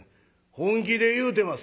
本気で言うてます」。